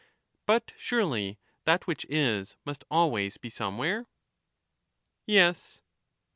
But, surely, that which is must always be somewhere ? Yes.